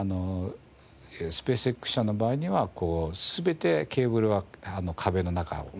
スペースＸ社の場合には全てケーブルは壁の中をはっていると。